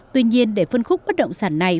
tuy nhiên để phân khúc bất đồng sản này